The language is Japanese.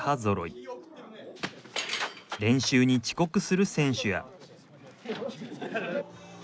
練習に遅刻する選手や。